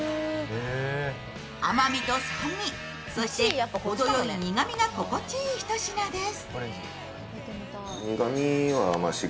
甘みと酸味、そして程よい苦みが心地いい一品です。